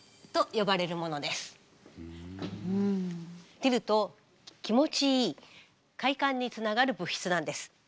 出ると気持ちいい快感につながる物質なんです。